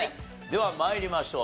では参りましょう。